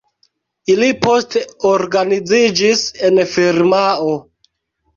Ili poste organiziĝis en firmao.